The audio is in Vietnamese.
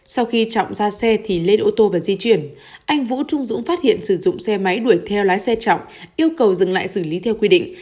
sau khi trọng ra xe thì lên ô tô và di chuyển anh vũ trung dũng phát hiện sử dụng xe máy đuổi theo lái xe trọng yêu cầu dừng lại xử lý theo quy định